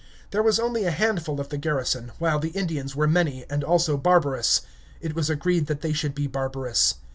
There was only a handful of the garrison, while the Indians were many, and also barbarous. It was agreed that they should be barbarous.